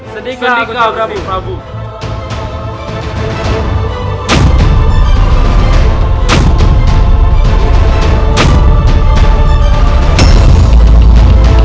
sedikah kutip prabu